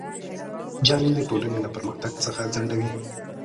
جنګ د ټولنې له پرمختګ څخه ځنډوي.